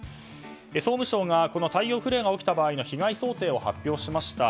総務省が太陽フレアが起きた場合の被害想定を発表しました。